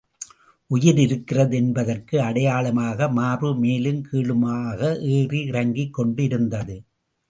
உயிர் இருக்கிறது என்பதற்கு அடையாளமாக, மார்பு மேலும் கீழுமாக ஏறி இறங்கிக் கொண்டு இருந்தது.